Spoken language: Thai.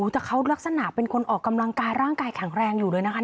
แต่เขาลักษณะเป็นคนออกกำลังกายร่างกายแข็งแรงอยู่เลยนะคะ